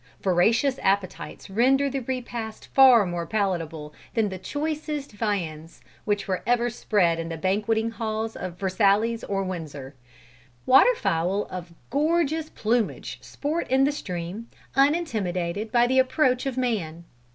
Voracious appetites render the repast far more palatable than the choicest viands which were ever spread in the banqueting halls of Versailles or Windsor. Water fowl of gorgeous plumage sport in the stream, unintimidated by the approach of man.